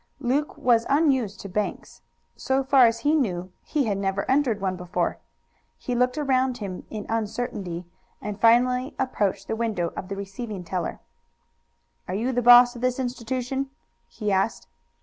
Luke was unused to banks. So far as he knew he had never entered one before. He looked around him in uncertainty, and finally approached the window of the receiving teller. "Are you the boss of this institution?" he asked.